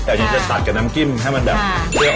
แต่จริงจะตัดกับน้ำกลิ้มให้มันแบบเตรียกอร่อย